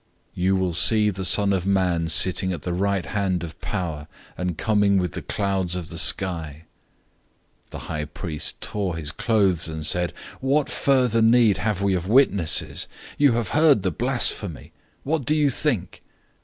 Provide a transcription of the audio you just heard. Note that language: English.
You will see the Son of Man sitting at the right hand of Power, and coming with the clouds of the sky." 014:063 The high priest tore his clothes, and said, "What further need have we of witnesses? 014:064 You have heard the blasphemy! What do you think?"